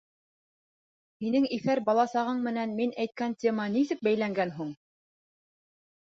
Һинең иҫәр баласағың менән мин әйткән тема нисек бәйләнгән һуң?!